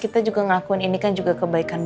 kita juga ngelakuin ini kan juga kemahasanya ya mas ya